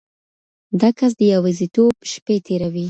دا کس د یوازیتوب شپې تیروي.